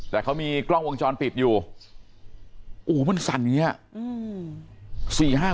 แต่เขามีกล้องวงจรปิดอยู่โอ้โหมันสั่นอย่างนี้อ่ะ